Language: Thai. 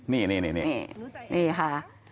นี่ค่ะ